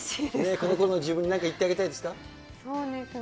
このころの自分に何か言ってあげたいですか？